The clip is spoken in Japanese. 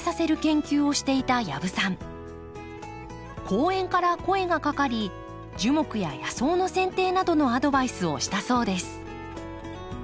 公園から声がかかり樹木や野草のせん定などのアドバイスをしたそうです。